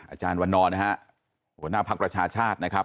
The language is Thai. อาจารย์วันนอนนะครับหัวหน้าภักรรชาชน์นะครับ